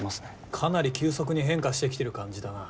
かなり急速に変化してきてる感じだな。